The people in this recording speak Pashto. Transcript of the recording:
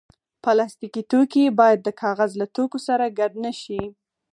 پلاستيکي توکي باید د کاغذ له توکو سره ګډ نه شي.